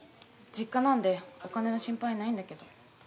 実家なんでお金の心配ないんだけど